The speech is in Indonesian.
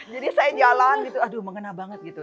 jadi saya jalan gitu aduh mengena banget gitu